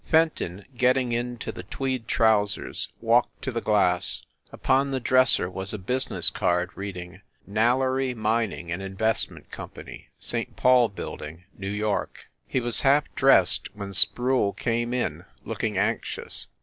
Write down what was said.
Fenton, getting into the tweed trousers, walked to the glass. Upon the dresser was a business card reading "Nailery Mining and Investment Company, St. Paul Building, New York." He was half dressed when Sproule came in, look ing anxious.